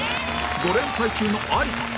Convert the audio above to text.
５連敗中の有田